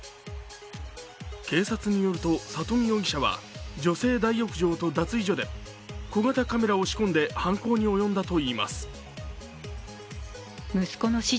警察によると、佐登美容疑者は女性大浴場と脱衣所で、小型カメラを仕込んで犯行に及んだといいます。